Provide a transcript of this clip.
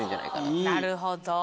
なるほど。